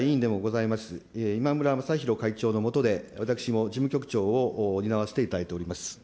いまむらまさひろ会長の下で、私も事務局長を担わせていただいております。